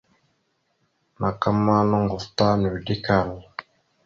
Naaka ma nòŋgov ta nʉʉde kal.